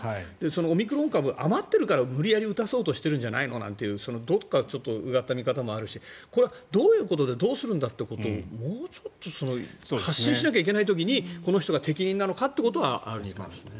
そのオミクロン株余っているから無理やり打たそうとしているんじゃないのとかどこかうがった見方もあるしこれはどういうことでどうするんだということをもうちょっと発信しなきゃいけない時にこの人が適任なのかってところはありますね。